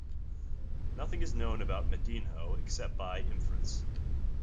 Nothing is known about Mendinho except by inference.